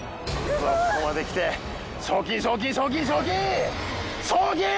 クソここまで来て賞金賞金賞金賞金賞金！